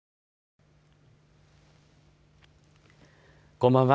こんばんは。